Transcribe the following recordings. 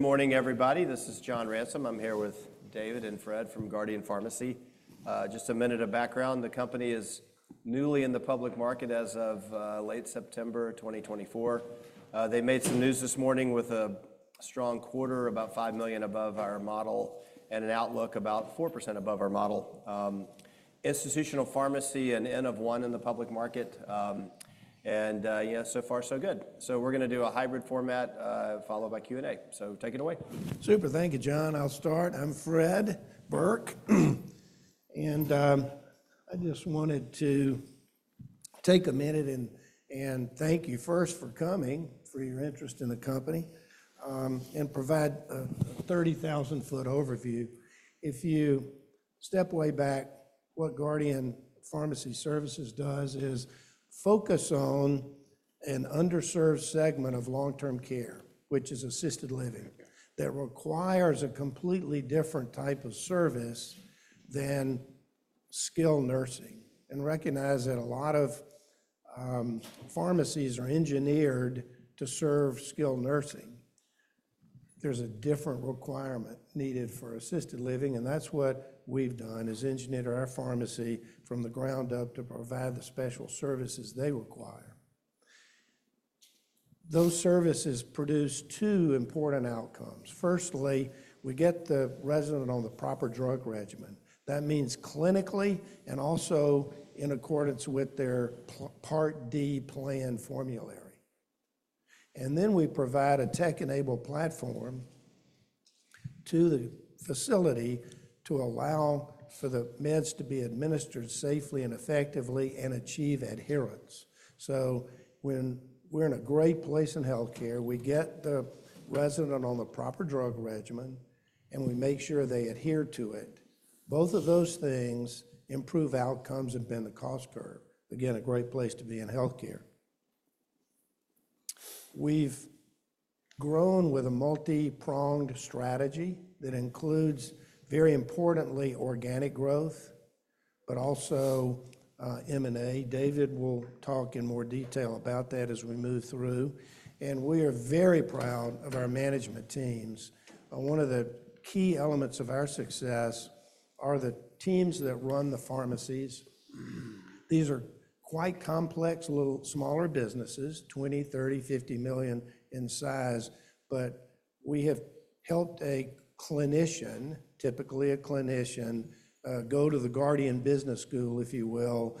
Good morning, everybody. This is John Ransom. I'm here with David and Fred from Guardian Pharmacy. Just a minute of background: the company is newly in the public market as of late September 2024. They made some news this morning with a strong quarter, about $5 million above our model, and an outlook about 4% above our model. Institutional pharmacy an N of 1 in the public market. Yeah, so far, so good. We are going to do a hybrid format followed by Q&A. Take it away. Super. Thank you, John. I'll start. I'm Fred Burke, and I just wanted to take a minute and thank you first for coming, for your interest in the company, and provide a 30,000-foot overview. If you step way back, what Guardian Pharmacy Services does is focus on an underserved segment of long-term care, which is assisted living, that requires a completely different type of service than skilled nursing. Recognize that a lot of pharmacies are engineered to serve skilled nursing. There's a different requirement needed for assisted living, and that's what we've done as engineers at our pharmacy from the ground up to provide the special services they require. Those services produce two important outcomes. Firstly, we get the resident on the proper drug regimen. That means clinically and also in accordance with their Part D plan formulary. We provide a tech-enabled platform to the facility to allow for the meds to be administered safely and effectively and achieve adherence. When we are in a great place in healthcare, we get the resident on the proper drug regimen, and we make sure they adhere to it. Both of those things improve outcomes and bend the cost curve. A great place to be in healthcare. We have grown with a multi-pronged strategy that includes, very importantly, organic growth, but also M&A. David will talk in more detail about that as we move through. We are very proud of our management teams. One of the key elements of our success are the teams that run the pharmacies. These are quite complex, little smaller businesses, $20 million, $30 million, $50 million in size. We have helped a clinician, typically a clinician, go to the Guardian Business School, if you will,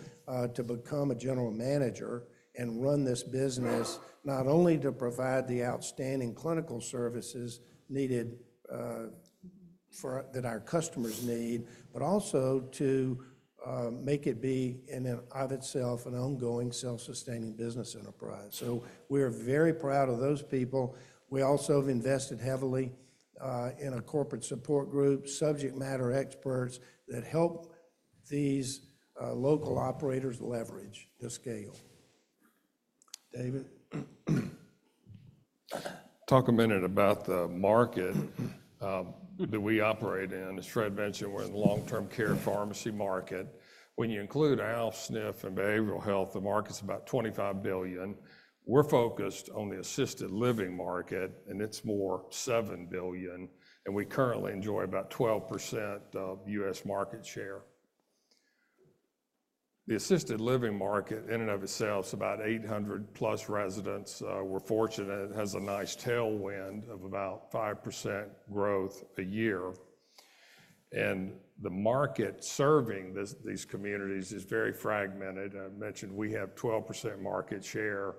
to become a general manager and run this business, not only to provide the outstanding clinical services needed that our customers need, but also to make it be, in and of itself, an ongoing self-sustaining business enterprise. We are very proud of those people. We also have invested heavily in a corporate support group, subject matter experts that help these local operators leverage the scale. David. Talk a minute about the market that we operate in. As Fred mentioned, we're in the long-term care pharmacy market. When you include Al Smith and Behavioral Health, the market's about $25 billion. We're focused on the assisted living market, and it's more $7 billion. We currently enjoy about 12% of U.S. market share. The assisted living market, in and of itself, is about 800-plus residents. We're fortunate it has a nice tailwind of about 5% growth a year. The market serving these communities is very fragmented. I mentioned we have 12% market share,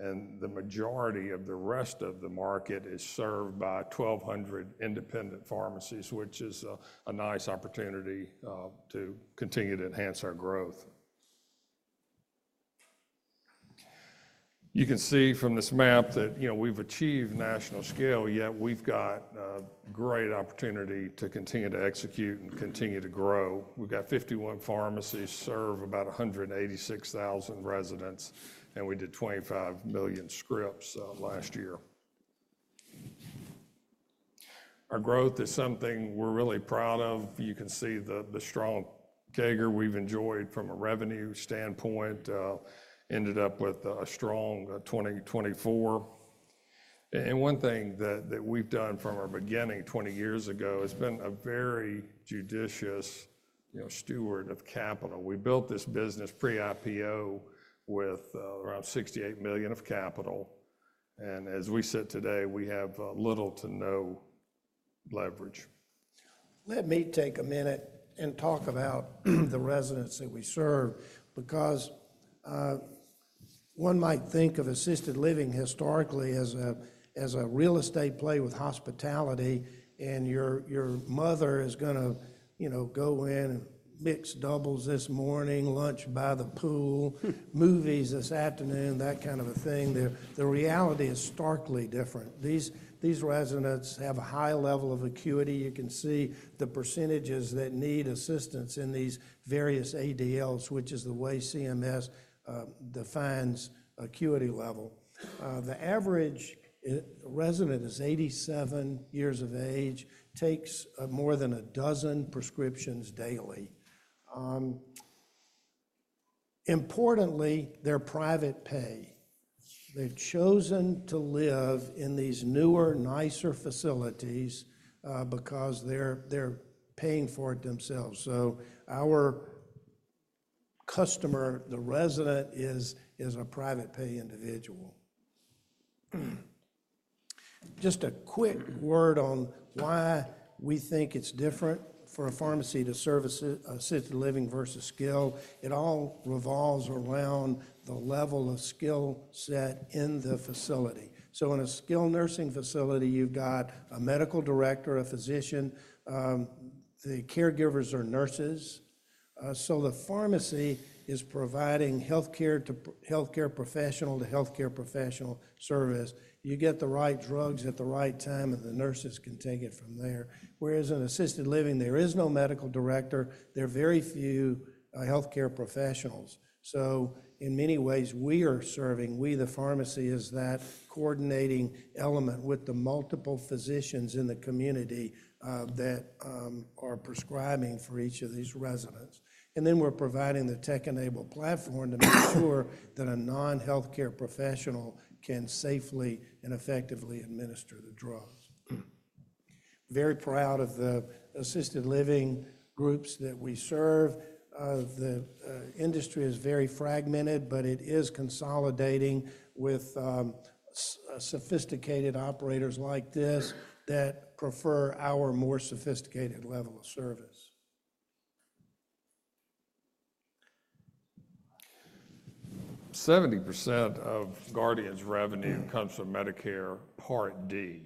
and the majority of the rest of the market is served by 1,200 independent pharmacies, which is a nice opportunity to continue to enhance our growth. You can see from this map that, you know, we've achieved national scale, yet we've got a great opportunity to continue to execute and continue to grow. We've got 51 pharmacies serve about 186,000 residents, and we did 25 million scripts last year. Our growth is something we're really proud of. You can see the strong CAGR we've enjoyed from a revenue standpoint, ended up with a strong 2024. One thing that we've done from our beginning 20 years ago has been a very judicious steward of capital. We built this business pre-IPO with around $68 million of capital. As we sit today, we have little to no leverage. Let me take a minute and talk about the residents that we serve, because one might think of assisted living historically as a real estate play with hospitality, and your mother is going to go in and mix doubles this morning, lunch by the pool, movies this afternoon, that kind of a thing. The reality is starkly different. These residents have a high level of acuity. You can see the percentages that need assistance in these various ADLs, which is the way CMS defines acuity level. The average resident is 87 years of age, takes more than a dozen prescriptions daily. Importantly, they're private pay. They've chosen to live in these newer, nicer facilities because they're paying for it themselves. Our customer, the resident, is a private pay individual. Just a quick word on why we think it's different for a pharmacy to service assisted living versus skill. It all revolves around the level of skill set in the facility. In a skilled nursing facility, you've got a medical director, a physician. The caregivers are nurses. The pharmacy is providing healthcare to healthcare professional to healthcare professional service. You get the right drugs at the right time, and the nurses can take it from there. Whereas in assisted living, there is no medical director. There are very few healthcare professionals. In many ways, we are serving, we the pharmacy, as that coordinating element with the multiple physicians in the community that are prescribing for each of these residents. We are providing the tech-enabled platform to make sure that a non-healthcare professional can safely and effectively administer the drugs. Very proud of the assisted living groups that we serve. The industry is very fragmented, but it is consolidating with sophisticated operators like this that prefer our more sophisticated level of service. 70% of Guardian's revenue comes from Medicare Part D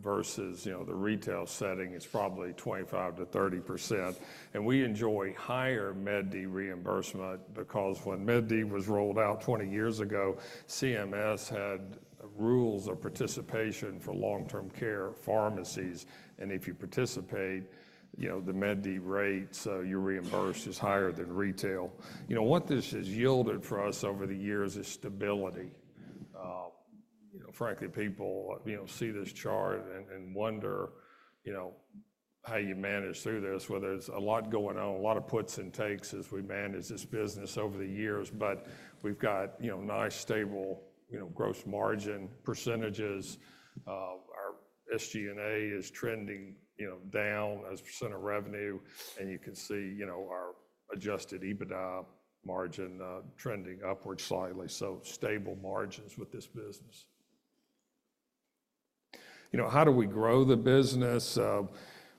versus, you know, the retail setting. It's probably 25-30%. And we enjoy higher MedD reimbursement because when MedD was rolled out 20 years ago, CMS had rules of participation for long-term care pharmacies. And if you participate, you know, the MedD rates, you're reimbursed is higher than retail. You know, what this has yielded for us over the years is stability. You know, frankly, people, you know, see this chart and wonder, you know, how you manage through this, whether there's a lot going on, a lot of puts and takes as we manage this business over the years. But we've got, you know, nice, stable, you know, gross margin percentages. Our SG&A is trending, you know, down as percent of revenue. And you can see, you know, our adjusted EBITDA margin trending upward slightly. Stable margins with this business. You know, how do we grow the business?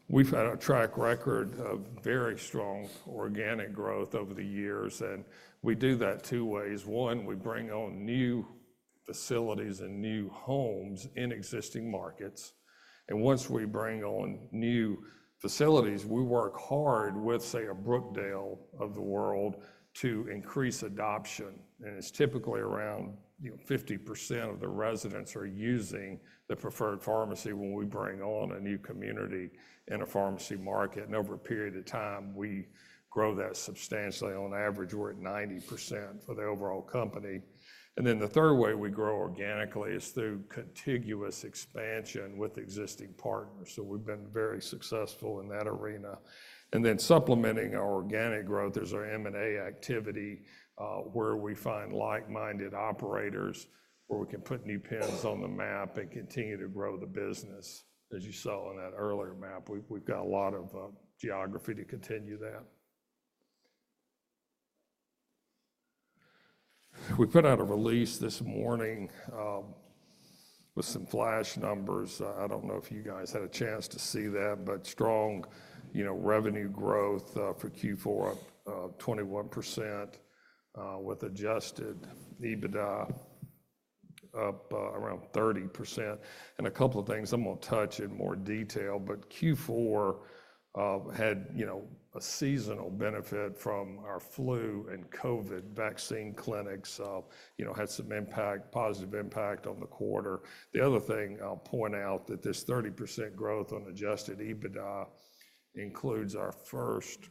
We've had a track record of very strong organic growth over the years. We do that two ways. One, we bring on new facilities and new homes in existing markets. Once we bring on new facilities, we work hard with, say, a Brookdale of the world to increase adoption. It's typically around 50% of the residents are using the preferred pharmacy when we bring on a new community in a pharmacy market. Over a period of time, we grow that substantially. On average, we're at 90% for the overall company. The third way we grow organically is through contiguous expansion with existing partners. We've been very successful in that arena. Supplementing our organic growth is our M&A activity, where we find like-minded operators where we can put new pins on the map and continue to grow the business. As you saw in that earlier map, we've got a lot of geography to continue that. We put out a release this morning with some flash numbers. I don't know if you guys had a chance to see that, but strong, you know, revenue growth for Q4, up 21% with adjusted EBITDA up around 30%. A couple of things I'm going to touch in more detail, but Q4 had, you know, a seasonal benefit from our flu and COVID vaccine clinics. You know, had some impact, positive impact on the quarter. The other thing I'll point out that this 30% growth on adjusted EBITDA includes our first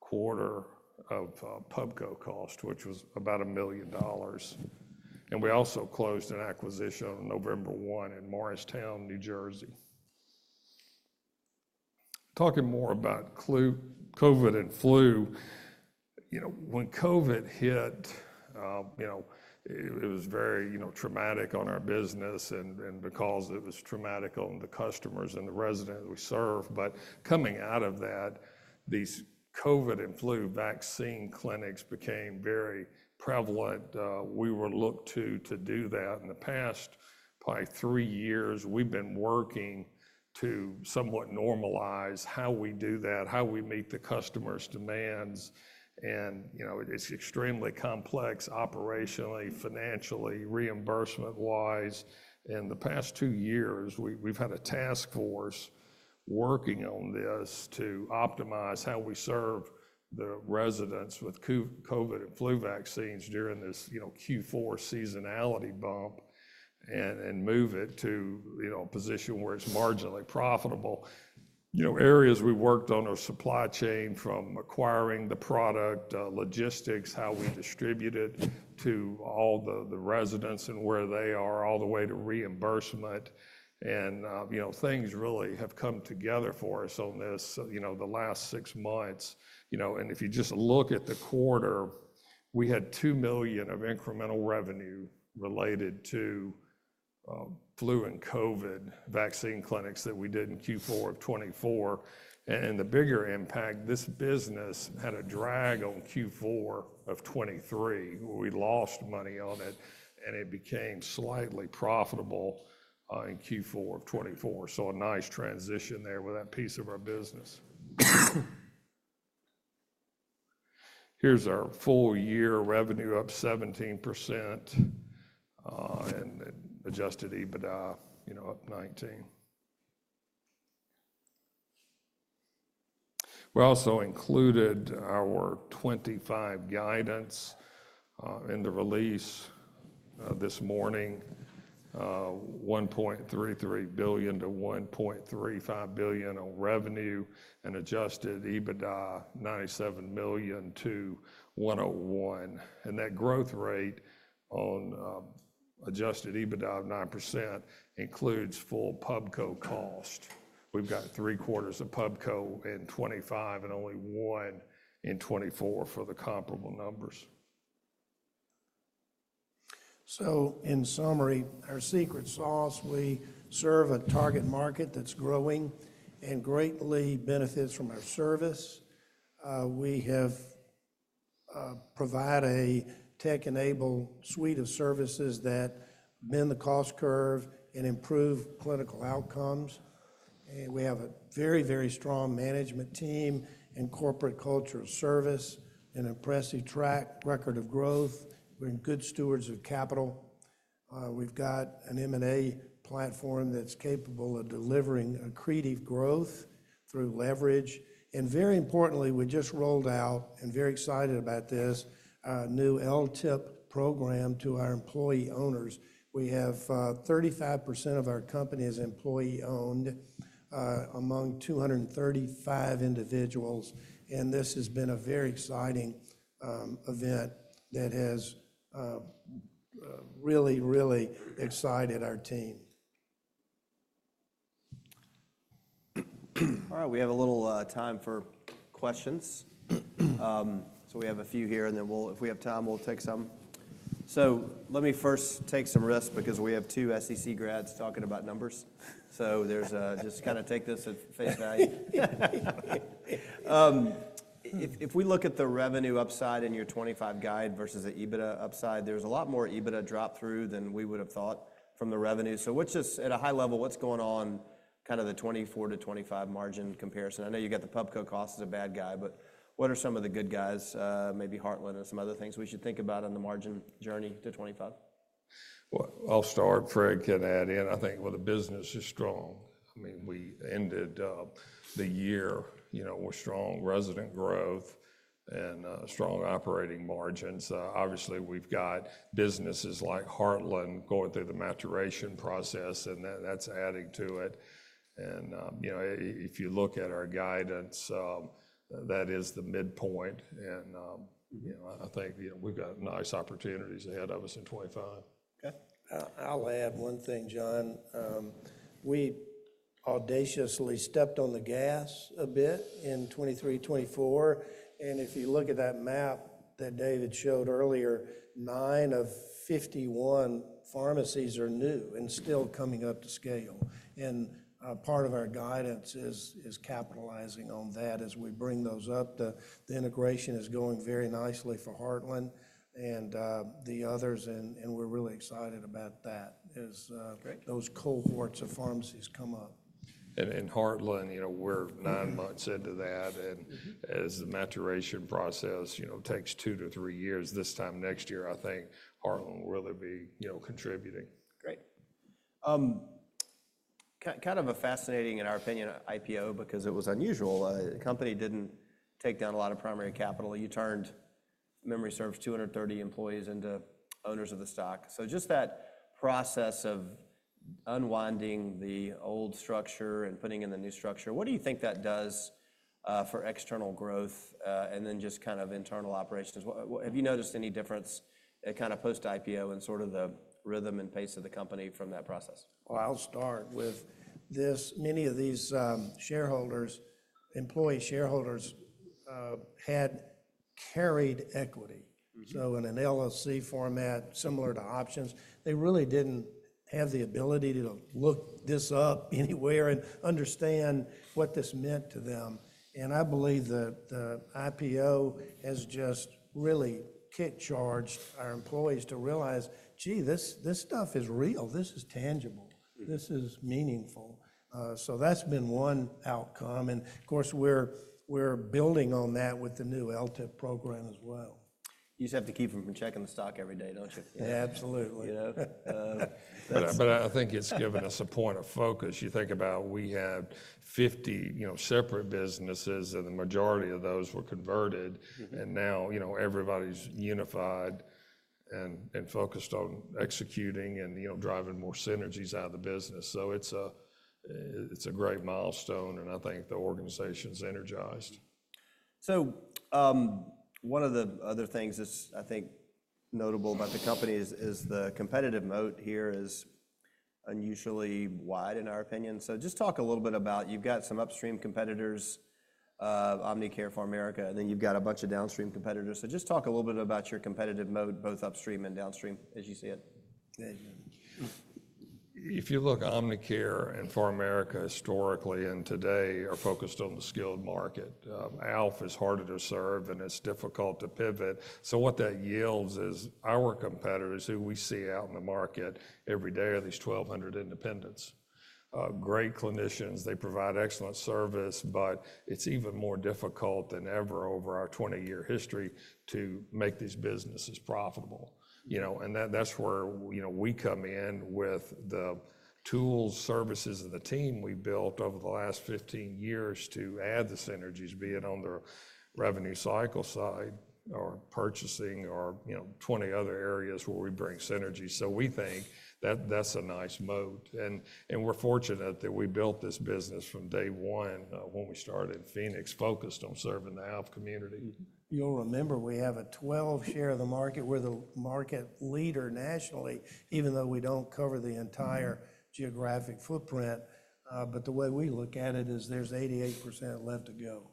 quarter of Pubco cost, which was about $1 million. We also closed an acquisition on November 1 in Morristown, New Jersey. Talking more about COVID and flu, you know, when COVID hit, you know, it was very, you know, traumatic on our business and because it was traumatic on the customers and the residents we serve. Coming out of that, these COVID and flu vaccine clinics became very prevalent. We were looked to to do that. In the past, probably three years, we've been working to somewhat normalize how we do that, how we meet the customer's demands. You know, it's extremely complex operationally, financially, reimbursement-wise. In the past two years, we've had a task force working on this to optimize how we serve the residents with COVID and flu vaccines during this, you know, Q4 seasonality bump and move it to, you know, a position where it's marginally profitable. You know, areas we worked on are supply chain from acquiring the product, logistics, how we distribute it to all the residents and where they are, all the way to reimbursement. You know, things really have come together for us on this, you know, the last six months. You know, and if you just look at the quarter, we had $2 million of incremental revenue related to flu and COVID vaccine clinics that we did in Q4 of 2024. The bigger impact, this business had a drag on Q4 of 2023. We lost money on it, and it became slightly profitable in Q4 of 2024. A nice transition there with that piece of our business. Here's our full year revenue, up 17% and adjusted EBITDA, you know, up 19. We also included our 2025 guidance in the release this morning, $1.33 billion-$1.35 billion on revenue and adjusted EBITDA $97 million-$101 million. That growth rate on adjusted EBITDA of 9% includes full Pubco cost. We have three quarters of Pubco in 2025 and only one in 2024 for the comparable numbers. In summary, our secret sauce, we serve a target market that is growing and greatly benefits from our service. We have provided a tech-enabled suite of services that bend the cost curve and improve clinical outcomes. We have a very, very strong management team and corporate culture of service and impressive track record of growth. We are good stewards of capital. We have an M&A platform that is capable of delivering accretive growth through leverage. Very importantly, we just rolled out, and are very excited about this, a new LTIP program to our employee owners. We have 35% of our company is employee-owned among 235 individuals. This has been a very exciting event that has really, really excited our team. All right. We have a little time for questions. We have a few here, and then if we have time, we'll take some. Let me first take some risks because we have two SEC grads talking about numbers. Just kind of take this at face value. If we look at the revenue upside in your 2025 guide versus the EBITDA upside, there's a lot more EBITDA drop through than we would have thought from the revenue. What's just at a high level, what's going on with the 2024 to 2025 margin comparison? I know you got the Pubco cost as a bad guy, but what are some of the good guys, maybe Heartland and some other things we should think about on the margin journey to 2025? I'll start. Fred can add in. I think when the business is strong, I mean, we ended the year, you know, with strong resident growth and strong operating margins. Obviously, we've got businesses like Heartland going through the maturation process, and that's adding to it. You know, if you look at our guidance, that is the midpoint. You know, I think, you know, we've got nice opportunities ahead of us in 2025. Okay. I'll add one thing, John. We audaciously stepped on the gas a bit in 2023, 2024. If you look at that map that David showed earlier, 9 of 51 pharmacies are new and still coming up to scale. Part of our guidance is capitalizing on that as we bring those up. The integration is going very nicely for Heartland and the others, and we're really excited about that as those cohorts of pharmacies come up. Heartland, you know, we're nine months into that. As the maturation process, you know, takes two to three years, this time next year, I think Heartland will really be, you know, contributing. Great. Kind of a fascinating, in our opinion, IPO because it was unusual. The company did not take down a lot of primary capital. You turned, memory serves, 230 employees into owners of the stock. Just that process of unwinding the old structure and putting in the new structure, what do you think that does for external growth and then just kind of internal operations? Have you noticed any difference kind of post-IPO in sort of the rhythm and pace of the company from that process? Many of these shareholders, employee shareholders, had carried equity. So in an LLC format, similar to options, they really didn't have the ability to look this up anywhere and understand what this meant to them. I believe the IPO has just really kick-charged our employees to realize, gee, this stuff is real. This is tangible. This is meaningful. That's been one outcome. Of course, we're building on that with the new LTIP program as well. You just have to keep them from checking the stock every day, don't you? Absolutely. I think it's given us a point of focus. You think about we had 50, you know, separate businesses, and the majority of those were converted. And now, you know, everybody's unified and focused on executing and, you know, driving more synergies out of the business. So it's a great milestone, and I think the organization's energized. One of the other things that's, I think, notable about the company is the competitive moat here is unusually wide, in our opinion. Just talk a little bit about you've got some upstream competitors, Omnicare, PharMerica, and then you've got a bunch of downstream competitors. Just talk a little bit about your competitive moat, both upstream and downstream, as you see it. If you look, Omnicare and PharMerica historically and today are focused on the skilled market. Alpha is harder to serve, and it's difficult to pivot. What that yields is our competitors who we see out in the market every day are these 1,200 independents. Great clinicians. They provide excellent service, but it's even more difficult than ever over our 20-year history to make these businesses profitable. You know, that's where, you know, we come in with the tools, services, and the team we built over the last 15 years to add the synergies, be it on the revenue cycle side or purchasing or, you know, 20 other areas where we bring synergy. We think that that's a nice moat. We're fortunate that we built this business from day one when we started in Phoenix, focused on serving the Alpha community. You'll remember we have a 12% share of the market. We're the market leader nationally, even though we don't cover the entire geographic footprint. The way we look at it is there's 88% left to go.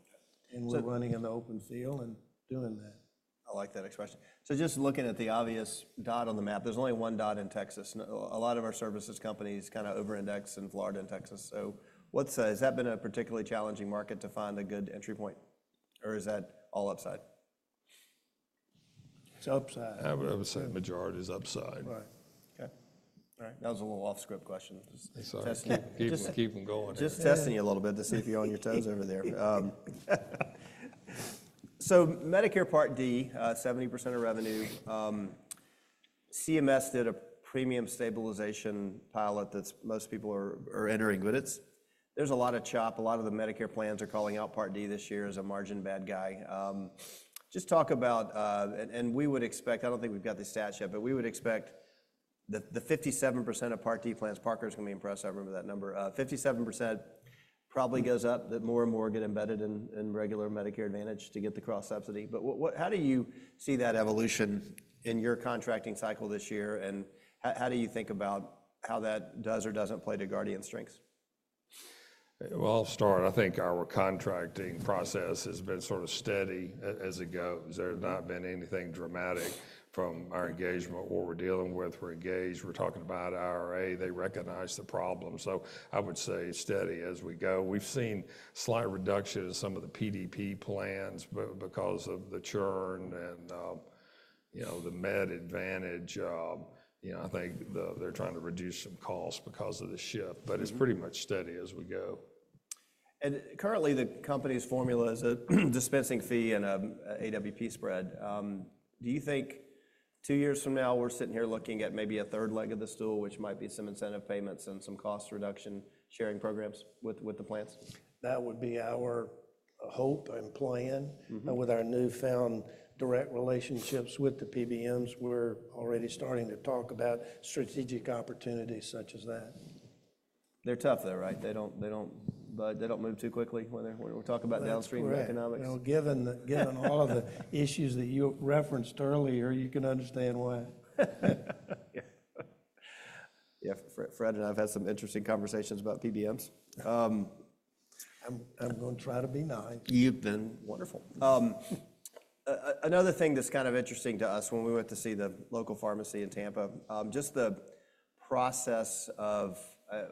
We're running in the open field and doing that. I like that expression. Just looking at the obvious dot on the map, there's only one dot in Texas. A lot of our services companies kind of over-index in Florida and Texas. Has that been a particularly challenging market to find a good entry point? Or is that all upside? It's upside. I would say the majority is upside. Right. Okay. All right. That was a little off-script question. Just keep them going. Just testing you a little bit to see if you're on your toes over there. Medicare Part D, 70% of revenue. CMS did a premium stabilization pilot that most people are entering, but there's a lot of chop. A lot of the Medicare plans are calling out Part D this year as a margin bad guy. Just talk about, and we would expect, I don't think we've got the stats yet, but we would expect that the 57% of Part D plans, Parker's going to be impressed. I remember that number. 57% probably goes up that more and more get embedded in regular Medicare Advantage to get the cross-subsidy. How do you see that evolution in your contracting cycle this year? How do you think about how that does or doesn't play to Guardian's strengths? I think our contracting process has been sort of steady as it goes. There's not been anything dramatic from our engagement. What we're dealing with, we're engaged, we're talking about IRA, they recognize the problem. So I would say steady as we go. We've seen slight reduction in some of the PDP plans because of the churn and, you know, the med advantage. You know, I think they're trying to reduce some costs because of the shift, but it's pretty much steady as we go. Currently, the company's formula is a dispensing fee and an AWP spread. Do you think two years from now we're sitting here looking at maybe a third leg of the stool, which might be some incentive payments and some cost reduction sharing programs with the plants? That would be our hope and plan. With our newfound direct relationships with the PBMs, we're already starting to talk about strategic opportunities such as that. They're tough though, right? They don't move too quickly when we're talking about downstream economics. Given all of the issues that you referenced earlier, you can understand why. Yeah, Fred and I have had some interesting conversations about PBMs. I'm going to try to be nice. You've been wonderful. Another thing that's kind of interesting to us when we went to see the local pharmacy in Tampa, just the process of,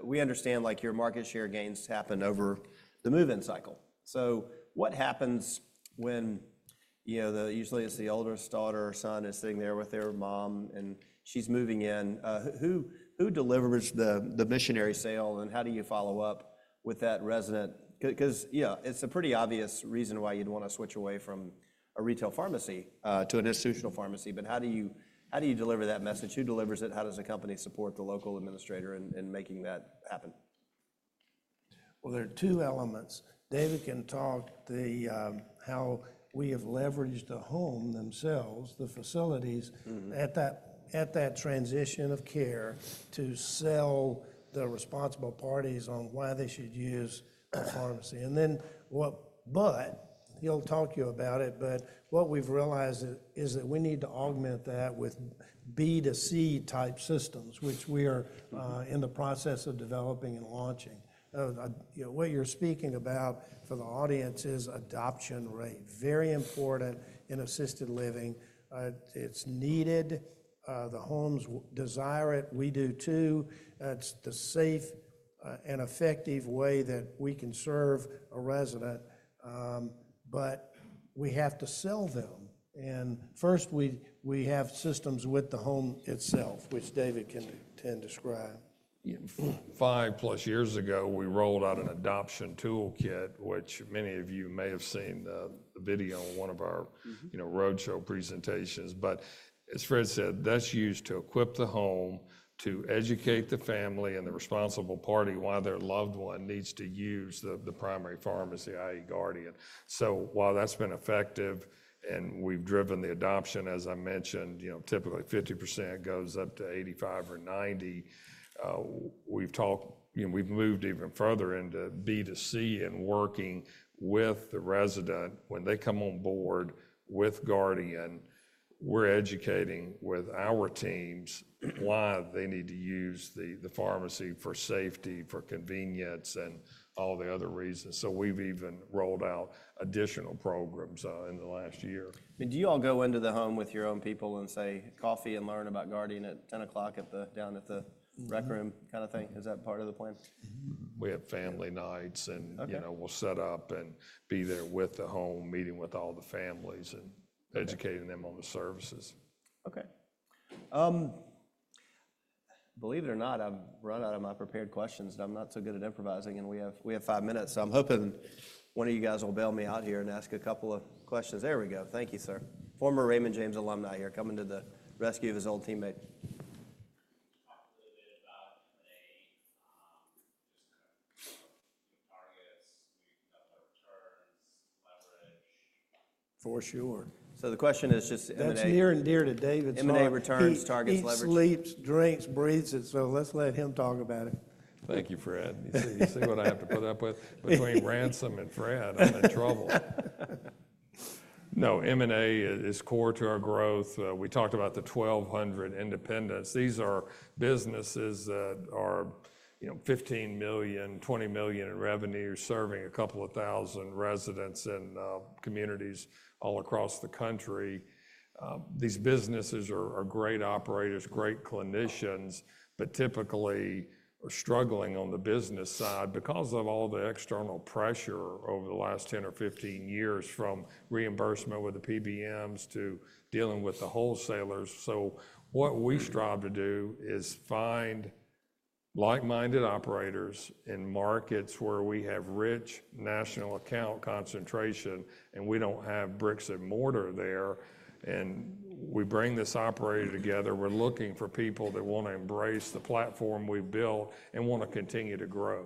we understand like your market share gains happen over the move-in cycle. So what happens when, you know, usually it's the older daughter or son is sitting there with their mom and she's moving in? Who delivers the missionary sale and how do you follow up with that resident? Because, you know, it's a pretty obvious reason why you'd want to switch away from a retail pharmacy to an institutional pharmacy, but how do you deliver that message? Who delivers it? How does the company support the local administrator in making that happen? There are two elements. David can talk how we have leveraged the home themselves, the facilities at that transition of care to sell the responsible parties on why they should use the pharmacy. What we've realized is that we need to augment that with B2C type systems, which we are in the process of developing and launching. You know, what you're speaking about for the audience is adoption rate. Very important in assisted living. It's needed. The homes desire it. We do too. It's the safe and effective way that we can serve a resident, but we have to sell them. First, we have systems with the home itself, which David can describe. Five plus years ago, we rolled out an adoption toolkit, which many of you may have seen the video on one of our, you know, roadshow presentations. As Fred said, that's used to equip the home to educate the family and the responsible party why their loved one needs to use the primary pharmacy, i.e., Guardian. While that's been effective and we've driven the adoption, as I mentioned, you know, typically 50% goes up to 85% or 90%. We've talked, you know, we've moved even further into B2C and working with the resident when they come on board with Guardian. We're educating with our teams why they need to use the pharmacy for safety, for convenience, and all the other reasons. We've even rolled out additional programs in the last year. I mean, do you all go into the home with your own people and say, "Coffee and learn about Guardian at 10:00 down at the rec room" kind of thing? Is that part of the plan? We have family nights and, you know, we'll set up and be there with the home, meeting with all the families and educating them on the services. Okay. Believe it or not, I've run out of my prepared questions and I'm not so good at improvising and we have five minutes. I am hoping one of you guys will bail me out here and ask a couple of questions. There we go. Thank you, sir. Former Raymond James alumni here coming to the rescue of his old teammate. Talk a little bit about M&A, just kind of targets, returns, leverage. For sure. The question is just M&A. That's near and dear to David. M&A, returns, targets, leverage. He sleeps, drinks, breathes it. Let's let him talk about it. Thank you, Fred. You see what I have to put up with between Ransom and Fred? I'm in trouble. No, M&A is core to our growth. We talked about the 1,200 independents. These are businesses that are, you know, $15 million, $20 million in revenue, serving a couple of thousand residents in communities all across the country. These businesses are great operators, great clinicians, but typically are struggling on the business side because of all the external pressure over the last 10 or 15 years from reimbursement with the PBMs to dealing with the wholesalers. What we strive to do is find like-minded operators in markets where we have rich national account concentration and we don't have bricks and mortar there. We bring this operator together. We're looking for people that want to embrace the platform we've built and want to continue to grow.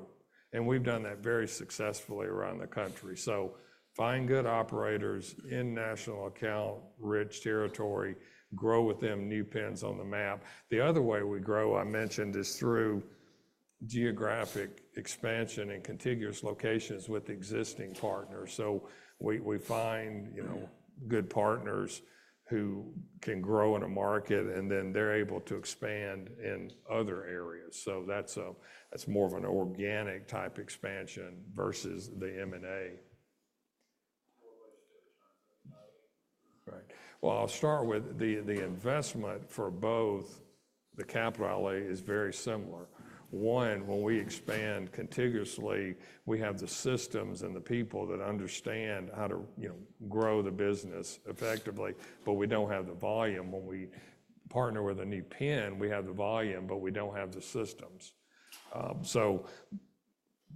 We have done that very successfully around the country. We find good operators in national account rich territory, grow with them, new pins on the map. The other way we grow, I mentioned, is through geographic expansion and contiguous locations with existing partners. We find, you know, good partners who can grow in a market and then they are able to expand in other areas. That is more of an organic type expansion versus the M&A. I'll start with the investment for both. The capital outlay is very similar. One, when we expand contiguously, we have the systems and the people that understand how to, you know, grow the business effectively, but we don't have the volume. When we partner with a new pin, we have the volume, but we don't have the systems.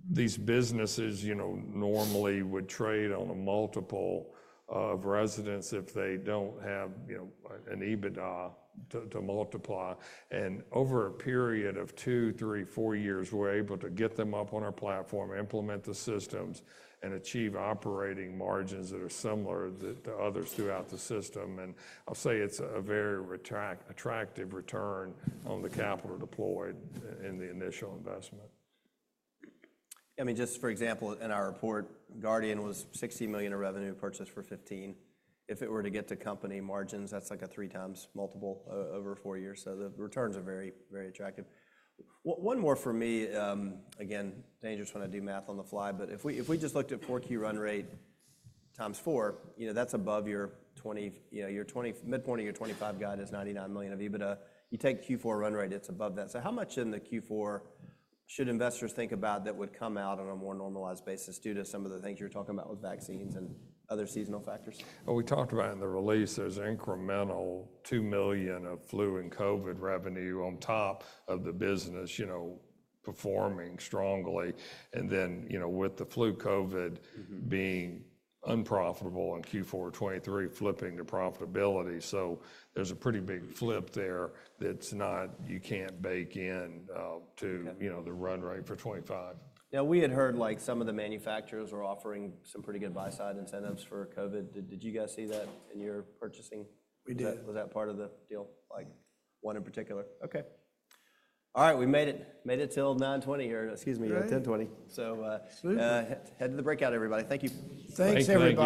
These businesses, you know, normally would trade on a multiple of residents if they don't have, you know, an EBITDA to multiply. Over a period of two, three, four years, we're able to get them up on our platform, implement the systems, and achieve operating margins that are similar to others throughout the system. I'll say it's a very attractive return on the capital deployed in the initial investment. I mean, just for example, in our report, Guardian was $60 million in revenue, purchased for $15 million. If it were to get to company margins, that's like a three times multiple over four years. So the returns are very, very attractive. One more for me, again, dangerous when I do math on the fly, but if we just looked at Q4 run rate times four, you know, that's above your mid-point of your 2025 guide is $99 million of EBITDA. You take Q4 run rate, it's above that. How much in the Q4 should investors think about that would come out on a more normalized basis due to some of the things you're talking about with vaccines and other seasonal factors? We talked about in the release, there's incremental $2 million of flu and COVID revenue on top of the business, you know, performing strongly. And then, you know, with the flu COVID being unprofitable in Q4 2023, flipping to profitability. There is a pretty big flip there that's not, you can't bake in to, you know, the run rate for 2025. Now, we had heard like some of the manufacturers were offering some pretty good buy-side incentives for COVID. Did you guys see that in your purchasing? We did. Was that part of the deal? Like one in particular? Okay. All right. We made it till 9:20 here. Excuse me, 10:20. Head to the breakout, everybody. Thank you. Thanks, everybody.